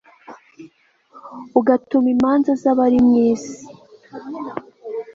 ugatuma imanza z'abari mu isi